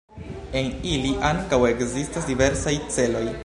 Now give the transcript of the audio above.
En ili ankaŭ ekzistas diversaj celoj.